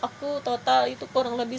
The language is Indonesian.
aku total itu kurang lebih